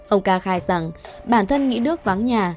ông ca khai rằng bản thân nghĩ đức vắng nhà